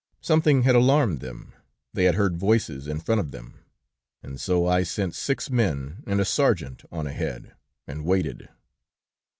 Something had alarmed them; they had heard voices in front of them, and so I sent six men and a sergeant on ahead, and waited.